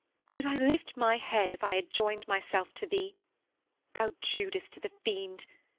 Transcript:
Could I lift my head if I had joined myself to thee? thou Judas to the Fiend.